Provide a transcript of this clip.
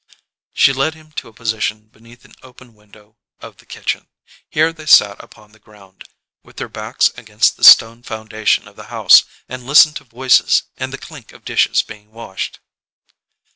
She led him to a position beneath an open window of the kitchen. Here they sat upon the ground, with their backs against the stone foundation of the house, and listened to voices and the clink of dishes being washed.